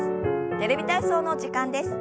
「テレビ体操」の時間です。